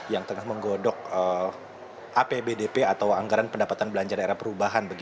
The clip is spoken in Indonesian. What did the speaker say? yang tengah menggodok apbdp atau anggaran pendapatan belanja daerah perubahan